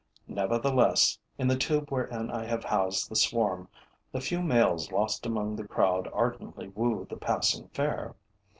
Nevertheless, in the tube wherein I have housed the swarm, the few males lost among the crowd ardently woo the passing fair.